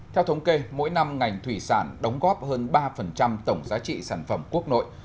theo thống kê mỗi năm ngành thủy sản đóng góp hơn ba tổng giá trị sản phẩm quốc nội